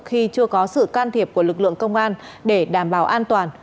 khi chưa có sự can thiệp của lực lượng công an để đảm bảo an toàn